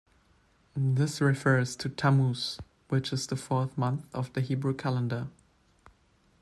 This refers to Tammuz, which is the fourth month of the Hebrew calendar.